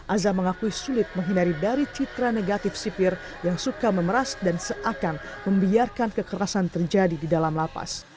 aza mengakui sulit menghindari dari citra negatif sipir yang suka memeras dan seakan membiarkan kekerasan terjadi di dalam lapas